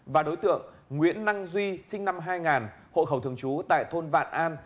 và đối tượng nguyễn năng duy sinh năm hai nghìn hộ khẩu thường trú tại thôn vạn an